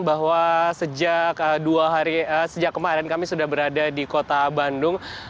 bahwa sejak kemarin kami sudah berada di kota bandung